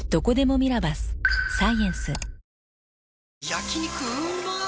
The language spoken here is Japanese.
焼肉うまっ